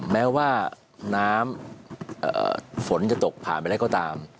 แม้ว่าน้ำฝนจะตกผ่านไปได้ก็ตาม